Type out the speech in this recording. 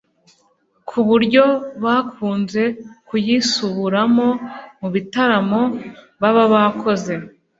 kuburyo bakunze kuyisuburamo mu bitaramo baba bakoze